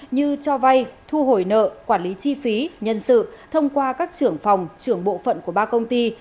như cho vay thu hồi nợ quản lý chi phí nhân sự thông qua các trưởng phòng trưởng bộ phận của ba công ty